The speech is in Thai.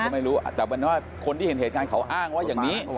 แต่มันว่าคนที่เห็นเหตุการณ์เขาอ้างว่าอย่างนี้